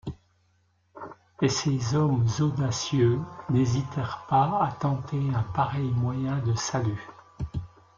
Et ces hommes audacieux n’hésitèrent pas à tenter un pareil moyen de salut.